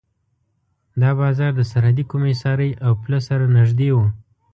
دا بازار د سرحدي کمېسارۍ او پله سره نږدې و.